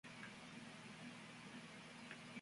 En ella se encuentra la imagen de Ntra.